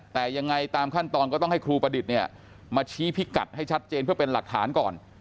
แต่ยังไงตามขั้นตอนก็ต้องให้ครูประดิษฐ์เนี่ยมาชี้พิกัดให้ชัดเจนเพื่อเป็นหลักฐานก่อน